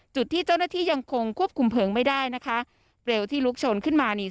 จุดที่เจ้าหน้าที่ยังคงควบคุมเพลิงไม่ได้นะคะเร็วที่ลุกชนขึ้นมานี่